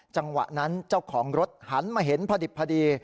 จังหวะนั้นเจ้าของรถหันมาเห็นพอดิบพอดี